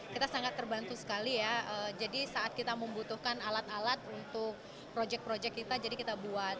kita sangat terbantu sekali ya jadi saat kita membutuhkan alat alat untuk proyek proyek kita jadi kita buat